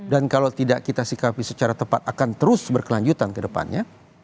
dan kalau tidak kita sikapi secara tepat akan terus berkelanjutan ke depannya